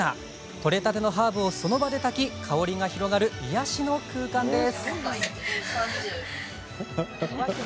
取れたてのハーブをその場でたき香りが広がる癒やしの空間です。